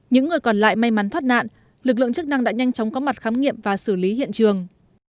những người còn lại may mắn thoát nạn lực lượng chức năng đã nhanh chóng có mặt khám nghiệm và xử lý hiện trường